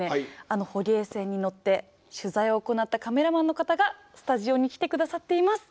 あの捕鯨船に乗って取材を行ったカメラマンの方がスタジオに来て下さっています。